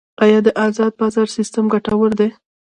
آیا د ازاد بازار سیستم ګټور دی؟